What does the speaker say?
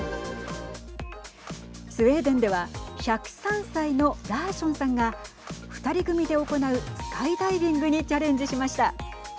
スウェーデンでは１０３歳のラーションさんが２人組で行うスカイダイビングにチャレンジしました。